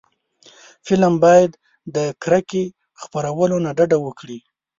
فلم باید د کرکې خپرولو نه ډډه وکړي